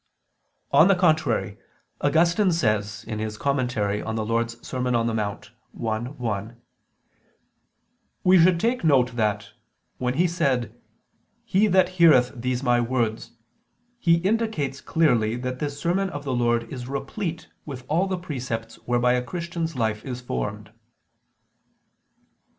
On the contrary, Augustine says (De Serm. Dom. in Monte i, 1): We should take note that, when He said: "'He that heareth these My words,' He indicates clearly that this sermon of the Lord is replete with all the precepts whereby a Christian's life is formed."